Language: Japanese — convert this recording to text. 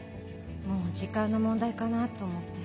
もう時間の問題かなと思って。